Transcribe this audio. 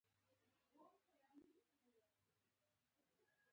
ښځه د ژوند دویمه پهیه ده.